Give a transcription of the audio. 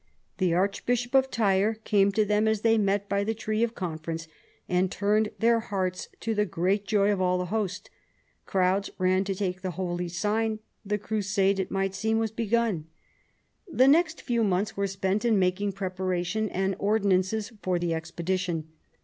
The archbishop of Tyre came to them as they met by the tree of con ference, and turned their hearts, to the great joy of all the host. Crowds ran to take the holy sign : the crusade, it might seem, was begun. The next few months were spent in making prepara tion and ordinances for the expedition.